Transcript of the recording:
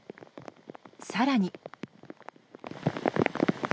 更に。